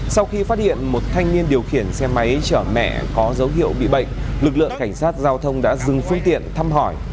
sau khi phát hiện một thanh niên điều khiển xe máy chở mẹ có dấu hiệu bị bệnh lực lượng cảnh sát giao thông đã dừng phương tiện thăm hỏi